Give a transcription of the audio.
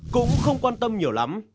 cũng không quan tâm nhiều lắm